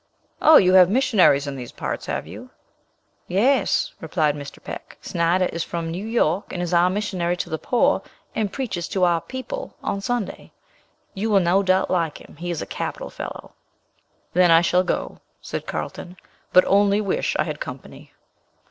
"Oh, you have missionaries in these parts, have you?" "Yes," replied Mr. Peck; "Snyder is from New York, and is our missionary to the poor, and preaches to our 'people' on Sunday; you will no doubt like him; he is a capital fellow." "Then I shall go," said Carlton, "but only wish I had company."